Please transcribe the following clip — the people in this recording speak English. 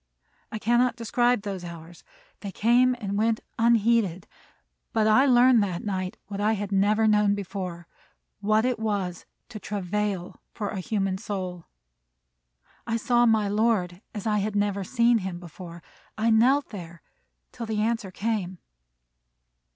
I cannot describe those hours. They came and went unheeded; but I learned that night what I had never known before, what it was to travail for a human soul. I saw my Lord as I had never seen him before. I knelt there till the answer came.